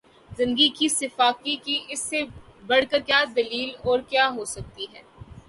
زندگی کی سفاکی کی اس سے بڑھ کر دلیل اور کیا ہوسکتی ہے